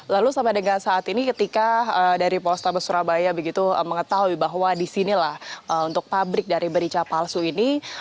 lalu sampai dengan saat ini ketika dari polrestabes surabaya begitu mengetahui bahwa disinilah untuk pabrik dari merica palsu ini